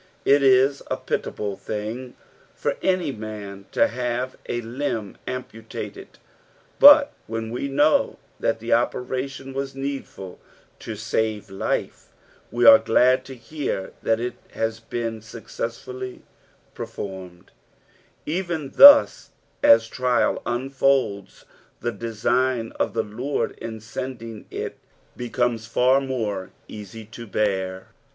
It is a pitiable thing for any man to have a limb amputated, but when ne know that the operatiun was needful to save life, we are glad to hear that it has been successfully performed ; even thus os trial unfolds, the design cf the Lord in sending it becomes far more easy to bear.